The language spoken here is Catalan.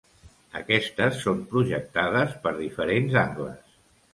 Aquestes són projectades per diferents angles.